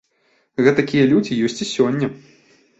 Гэтакія людзі ёсць і сёння.